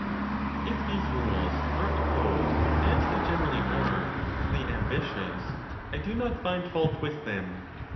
| If these rules are opposed, as they generally are, to the 'ambitious, I do not find fault with them.